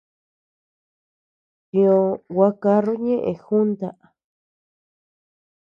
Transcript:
Tiʼö gua karru ñeʼe junta.